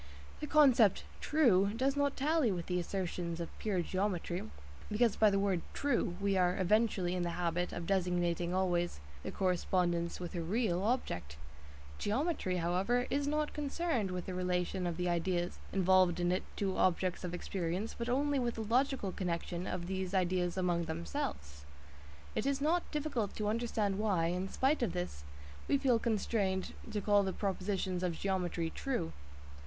The concept "true" does not tally with the assertions of pure geometry, because by the word "true" we are eventually in the habit of designating always the correspondence with a "real" object; geometry, however, is not concerned with the relation of the ideas involved in it to objects of experience, but only with the logical connection of these ideas among themselves. It is not difficult to understand why, in spite of this, we feel constrained to call the propositions of geometry "true."